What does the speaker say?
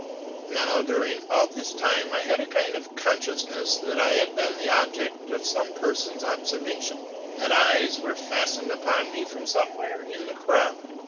Now, during all this time I had a kind of consciousness that I had been the object of some person's observation; that eyes were fastened upon me from somewhere in the crowd.